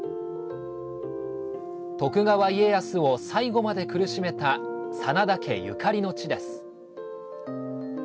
徳川家康を最後まで苦しめた真田家ゆかりの地です。